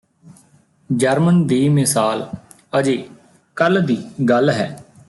German ਦੀ ਮਿਸਾਲ ਅਜੇ ਕੱਲ੍ਹ ਦੀ ਗੱਲ ਹੈ